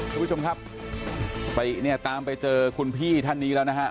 คุณผู้ชมครับติเนี่ยตามไปเจอคุณพี่ท่านนี้แล้วนะฮะ